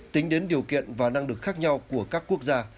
tính đến điều kiện và năng lực khác nhau của các quốc gia